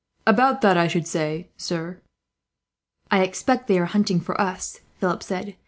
"About that, I should say, sir." "I expect they are hunting for us," Philip said.